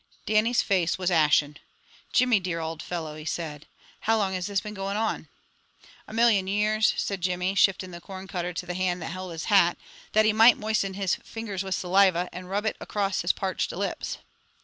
Dannie's face was ashen. "Jimmy, dear auld fellow," he said, "how long has this been going on?" "A million years," said Jimmy, shifting the corn cutter to the hand that held his hat, that he might moisten his fingers with saliva and rub it across his parched lips.